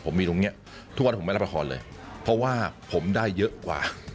ผมมีตรงเนี้ยทุกวันผมไม่รับละครเลยเพราะว่าผมได้เยอะกว่า